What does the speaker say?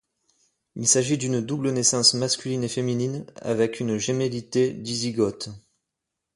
Il s’agit d’une double naissance masculine et féminine, avec une gémellité dizygote.